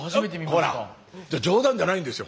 ほら冗談じゃないんですよ。